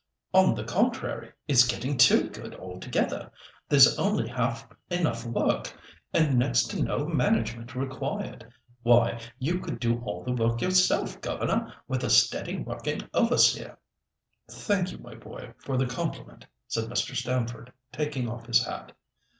"On the contrary, it's getting too good altogether. There's only half enough work, and next to no management required. Why, you could do all the work yourself, governor, with a steady working overseer!" "Thank you, my boy, for the compliment," said Mr. Stamford, taking off his hat.